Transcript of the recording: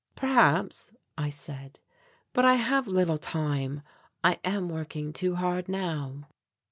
"Perhaps," I said, "but I have little time. I am working too hard now."